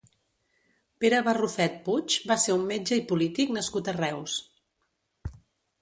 Pere Barrufet Puig va ser un metge i polític nascut a Reus.